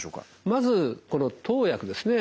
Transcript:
まずこの投薬ですね。